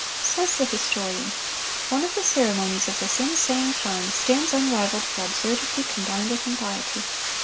Says the historian: "One of the ceremonies of this insane time stands unrivaled for absurdity combined with impiety.